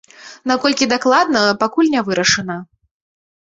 Наколькі дакладна, пакуль не вырашана.